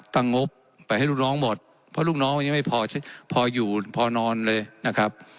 งบไปให้ลูกน้องหมดเพราะลูกน้องมันยังไม่พอพออยู่พอนอนเลยนะครับ